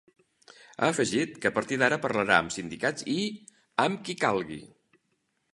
Ha afegit que a partir d’ara parlarà amb sindicats i “amb qui calgui”.